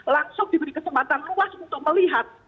langsung diberi kesempatan luas untuk melihat